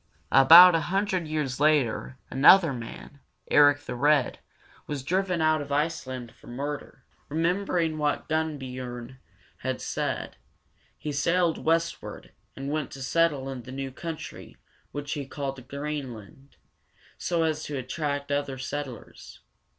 About a hundred years later another man, Er´ic the Red, was driven out of Iceland for murder. Remembering what Gunnbiorn had said, he sailed westward, and went to settle in the new country, which he called Greenland, so as to attract other settlers.